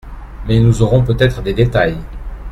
Mais nous aurons peut-être des détails.